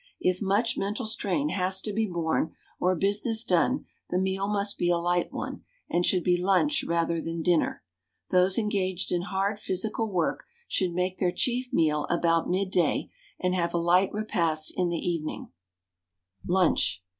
If much mental strain has to be borne or business done, the meal must be a light one, and should be lunch rather than dinner. Those engaged in hard physical work should make their chief meal about midday, and have a light repast in the evening. LUNCH.